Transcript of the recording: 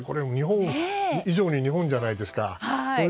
日本以上に日本じゃないですか。